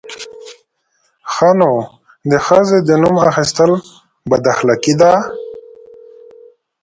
_ښه نو، د ښځې د نوم اخيستل بد اخلاقي ده!